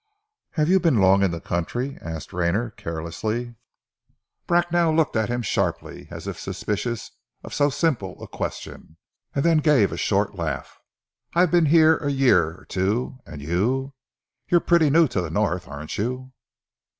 "Have you been long in the country?" asked Rayner carelessly. Bracknell looked at him sharply, as if suspicious of so simple a question, and then gave a short laugh. "I've been here a year or two. And you? You're pretty new to the North, aren't you?"